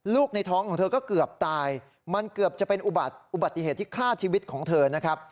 ในท้องของเธอก็เกือบตายมันเกือบจะเป็นอุบัติเหตุที่ฆ่าชีวิตของเธอนะครับ